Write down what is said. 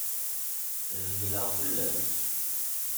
Hebleɣ fell-ak.